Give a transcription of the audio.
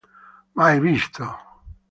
Mai visto.